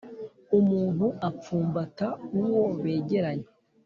Umuntu apfumbata uwo begeranye.